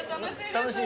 楽しい？